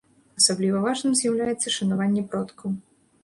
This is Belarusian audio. Асабліва важным з'яўляецца шанаванне продкаў.